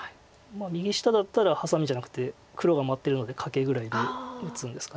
右下だったらハサミじゃなくて黒が待ってるのでカケぐらいで打つんですか。